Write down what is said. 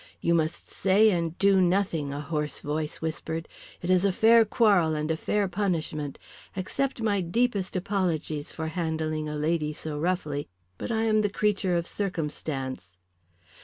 "You must say and do nothing," a hoarse voice whispered. "It is a fair quarrel and a fair punishment. Accept my deepest apologies for handling a lady so roughly, but I am but the creature of circumstance."